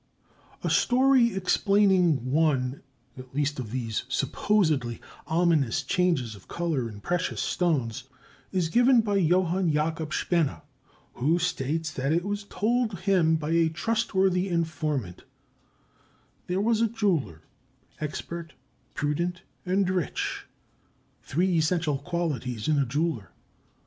A story explaining one at least of these supposedly ominous changes of color in precious stones, is given by Johann Jacob Spener, who states that it was told him by a trustworthy informant: There was a jeweller, expert, prudent, and rich, three essential qualities in a jeweller.